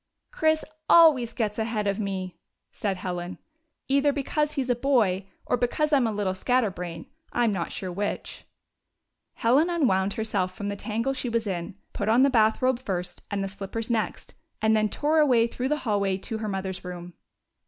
" Chris always gets ahead of me !" said Helen, " either because he 's a boy or because I 'm a little scatterbrain — I 'm not sure which !" Helen unwound herself from the tangle she was in, put on the bath robe first and the slippers next, and then tore away through the hallway to her mother's room.